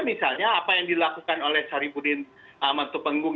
misalnya apa yang dilakukan oleh sari pudin amat tupenggung